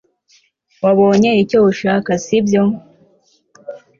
wabonye icyo ushaka, sibyo